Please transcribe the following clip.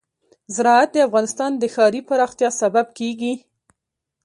زراعت د افغانستان د ښاري پراختیا سبب کېږي.